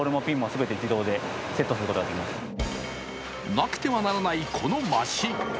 なくてはならない、このマシン。